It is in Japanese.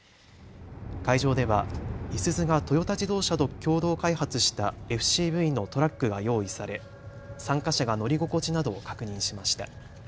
会場ではいすゞがトヨタ自動車と共同開発したＦＣＶのトラックが用意され参加者が乗り心地などを確認しました。